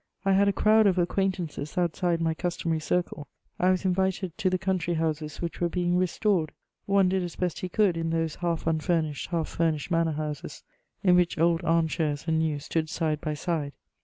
I had a crowd of acquaintances outside my customary circle. I was invited to the country houses which were being restored. One did as best he could in those half unfurnished, half furnished manor houses, in which old arm chairs and new stood side by side.